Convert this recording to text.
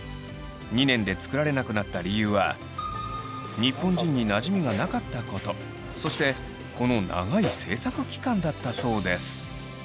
２年で作られなくなった理由は日本人になじみがなかったことそしてこの長い制作期間だったそうです。